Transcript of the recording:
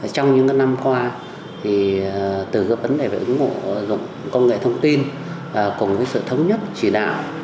trong những năm qua từ vấn đề về ứng dụng công nghệ thông tin cùng sự thống nhất chỉ đạo